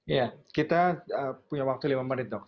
ya kita punya waktu lima menit dok